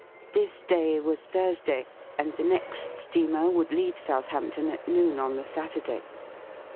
This day was Thursday, and the next steamer would leave Southampton at noon on the Saturday.